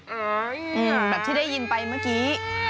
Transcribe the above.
แบบที่ได้ยินไปเมื่อกี้